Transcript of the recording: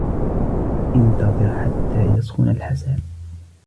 انتظر حتى يسخن الحساء.